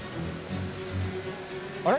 あれ？